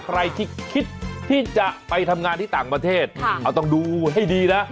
ใครที่คิดที่จะไปทำงานที่ต่างประเทศเอาต้องดูให้ดีนะ